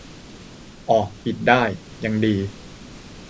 อ่อ ปิดได้ ยังดี